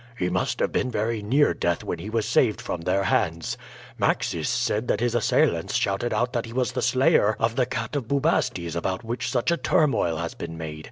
"He must have been very near death when he was saved from their hands. Maxis said that his assailants shouted out that he was the slayer of the Cat of Bubastes about which such a turmoil has been made.